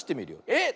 えっ！